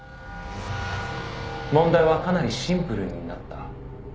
「問題はかなりシンプルになった」